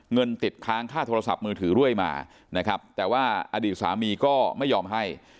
เงินติดค้างค่าโทรศัพท์มือถือเรื่อยมานะครับแต่ว่าอดีตสามีก็ไม่ยอมให้